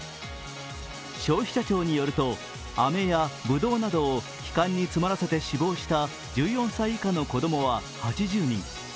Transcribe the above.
消費者庁によると、あめやぶどうなどを気管に詰まらせて死亡した１４歳以下の子供は８０人。